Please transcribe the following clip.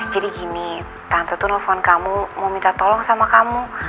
jadi gini tante tuh nelfon kamu mau minta tolong sama kamu